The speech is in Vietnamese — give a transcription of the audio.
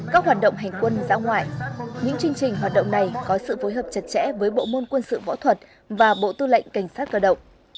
các hoạt động hành quân giã ngoại những chương trình hoạt động này có sự phối hợp chặt chẽ với bộ môn quân sự võ thuật và bộ tư lệnh cảnh sát cơ động